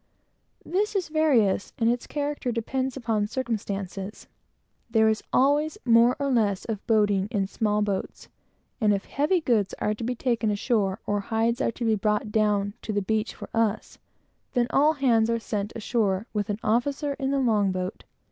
This is various, and its character depends upon circumstances. There is always more or less of boating, in small boats; and if heavy goods are to be taken ashore, or hides are brought down to the beach for us, then all hands are sent ashore with an officer in the long boat.